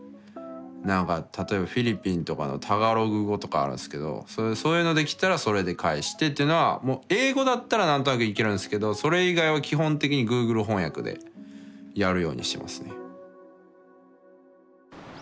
何か例えばフィリピンとかのタガログ語とかあるんすけどそういうので来たらそれで返してっていうのはもう英語だったら何となくいけるんですけどそれ以外は基本的にＧｏｏｇｌｅ翻訳でやるようにしてますね。